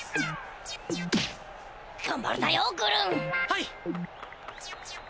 はい。